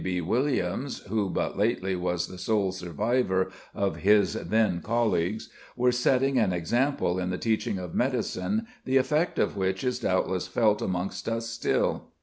B. Williams, who but lately was the sole survivor of his then colleagues, were setting an example in the teaching of medicine the effect of which is doubtless felt amongst us still.